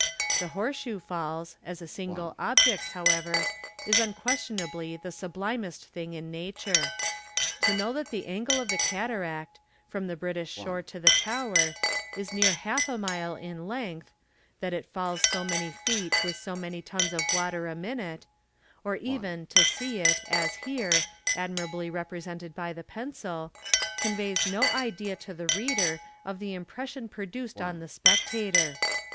The Horseshoe Falls, as a single object, however, is unquestionably the sublimest thing in nature. To know that the angle of the cataract, from the British shore to the tower, is near half a mile in length; that it falls so many feet with so many tons of water a minute; or even to see it, as here, admirably represented by the pencil; conveys no idea to the reader of the impression produced on the spectator.